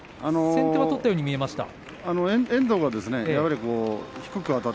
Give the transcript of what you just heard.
先手を取ったように思いました。